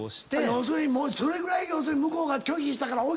要するにそれぐらい向こうが拒否したから。